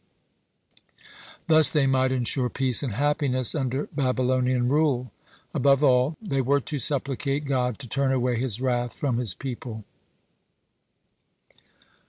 Thus they might ensure peace and happiness under Babylonian rule. Above all, they were to supplicate God to turn away His wrath from His people.